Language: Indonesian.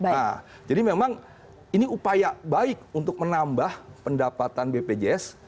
nah jadi memang ini upaya baik untuk menambah pendapatan bpjs